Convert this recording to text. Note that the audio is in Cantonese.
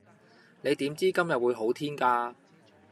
你點知今日會好天㗎